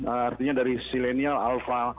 artinya dari silenial alfa